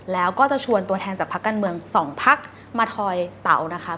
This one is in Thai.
แล้วก็จะชวนตัวแทนจากพักการเมืองสองพักมาทอยเต๋านะคะ